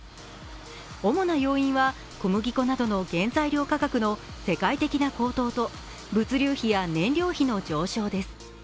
主な要因は小麦粉などの原材料価格の世界的な高騰と物流費や燃料費の上昇です。